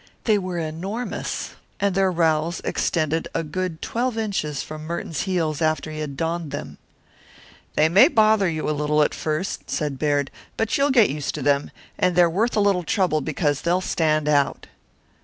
They were enormous, and their rowels extended a good twelve inches from Merton's heels after he had donned them. "They may bother you a little at first," said Baird, "but you'll get used to them, and they're worth a little trouble because they'll stand out."